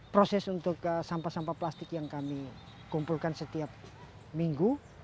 proses untuk sampah sampah plastik yang kami kumpulkan setiap minggu